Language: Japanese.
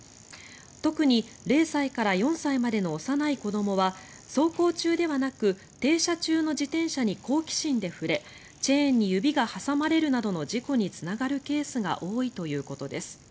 特に０歳から４歳までの幼い子どもは走行中ではなく停車中の自転車に好奇心で触れチェーンに指が挟まれるなどの事故につながるケースが多いということです。